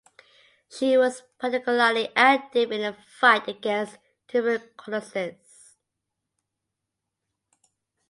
She was particularly active in the fight against tuberculosis.